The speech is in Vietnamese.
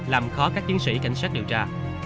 làm khó các chiến sĩ cảnh sát điều tra